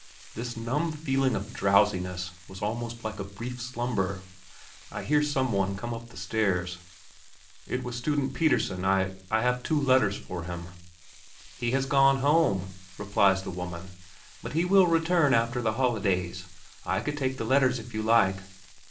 This numb feeling of drowsiness was almost like a brief slumber. I hear some one come up the stairs. "It was Student Pettersen, I ... I have two letters for him." "He has gone home," replies the woman; "but he will return after the holidays. I could take the letters if you like!"